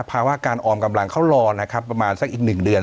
ภาวะการออมกำลังเขารอนะครับประมาณสักอีก๑เดือน